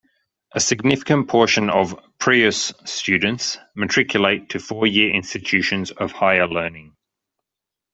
A significant portion of Preuss students matriculate to four-year institutions of higher learning.